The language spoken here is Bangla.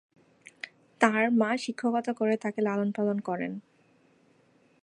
তাঁর মা শিক্ষকতা করে তাঁকে লালন পালন করেন।